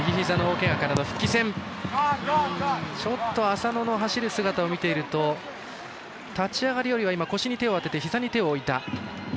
浅野の走る姿を見ていると立ち上がりよりは腰に手を当ててひざに手を置いた。